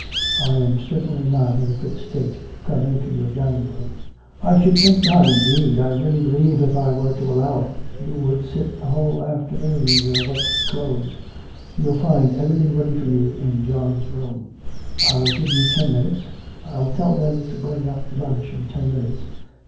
I am certainly not in a fit state to come into your dining room.' 'I should think not, indeed! I really believe, if I were to allow it, you would sit the whole afternoon in your wet clothes. You'll find everything ready for you in John's room. I'll give you ten minutes. I'll tell them to bring up lunch in ten minutes.